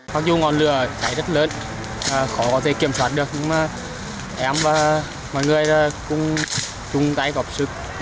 mặc dù ngọn lửa cháy rất lớn khó có thể kiểm soát được nhưng mà em và mọi người cùng chung tay góp sức